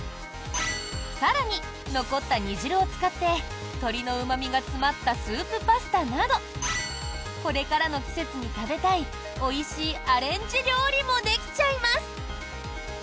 更に、残った煮汁を使って鶏のうま味が詰まったスープパスタなどこれからの季節に食べたいおいしいアレンジ料理もできちゃいます。